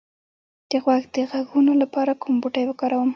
د غوږ د غږونو لپاره کوم بوټی وکاروم؟